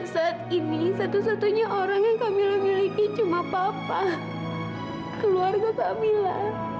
saat ini satu satunya orang yang kamila miliki cuma papa keluarga kamila